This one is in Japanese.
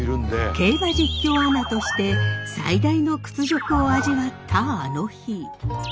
競馬実況アナとして最大の屈辱を味わったあの日。